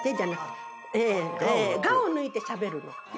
「が」を抜いてしゃべる。